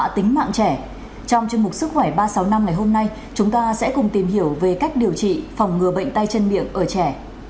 trong chương trình sức khỏe ba trăm sáu mươi năm ngày hôm nay chúng ta sẽ cùng tìm hiểu về cách điều trị phòng ngừa bệnh tay chân miệng ở trẻ